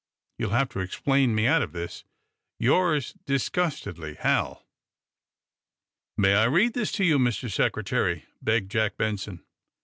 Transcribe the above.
You'll have to explain me out of this. Yours disgustedly, Hal."_ "May I read this to you, Mr. Secretary?" begged Jack Benson.